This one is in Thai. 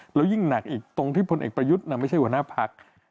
แล้วยิ่งหนักอีกตรงที่พลเอกประยุทธ์ไม่ใช่หัวหน้าพัก